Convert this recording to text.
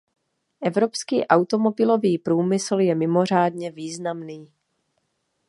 Evropský automobilový průmysl je mimořádně významný.